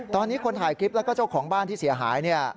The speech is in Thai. ตอนนี้คนถ่ายคลิปแล้วก็เจ้าของบ้านที่เสียหายเนี่ย